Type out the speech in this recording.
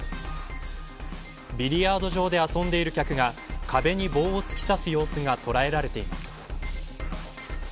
ビリヤード場で遊んでいる客が壁に棒を突き刺す様子が捉えられています。